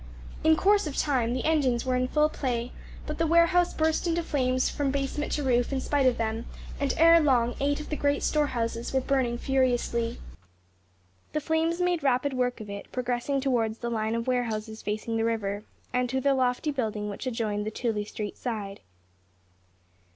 In course of time the engines were in full play, but the warehouse burst into flames from basement to roof in spite of them, and ere long eight of the great storehouses were burning furiously. The flames made rapid work of it, progressing towards the line of warehouses facing the river, and to the lofty building which adjoined on the Tooley Street side.